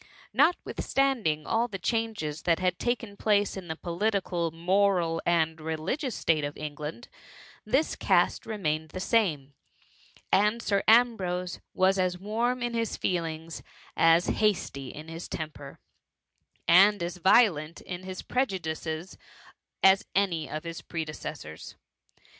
Notwithstanding all the changes that had taken place in the political, moral, and religious state of England, this caste remained the same ; and Sir Ambrose was as warm in liis feelings ; as hasty in his temper, and as violent in his prejudices as any of his predecessors.